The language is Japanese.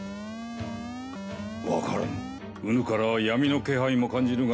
分からぬうぬからは闇の気配も感じるが